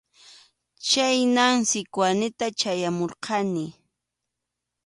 Chhaynam Sikwanita chayamurqani.